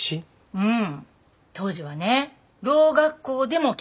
うん。